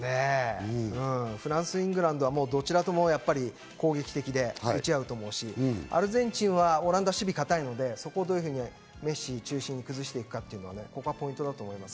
フランス、イングランドは、もうどちらとも攻撃的で打ち合うと思うし、アルゼンチンはオランダの守備が堅いので、メッシ中心に崩していくか、ここがポイントだと思います。